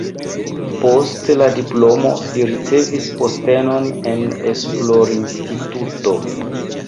Post la diplomo li ricevis postenon en esplorinstituto.